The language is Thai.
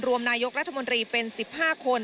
นายกรัฐมนตรีเป็น๑๕คน